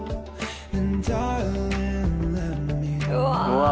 うわ！